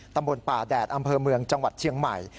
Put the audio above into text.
ตำบลป่าแดดอำเภอเมืองจังหวัดเชียงใหม่